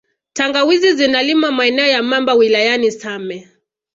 Tangawizi zinalimwa maeneo ya Mamba wilayani same